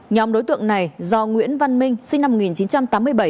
nhóm đối tượng này do nguyễn văn minh sinh năm một nghìn chín trăm tám mươi bảy